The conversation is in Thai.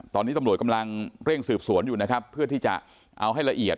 ตอนนี้ตำรวจกำลังเร่งสืบสวนอยู่นะครับเพื่อที่จะเอาให้ละเอียด